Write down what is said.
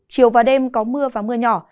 chiều và đêm có mưa và mưa nhỏ